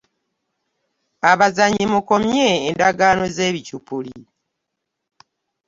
Abazannyi mukomye endagaano ezekicupuli.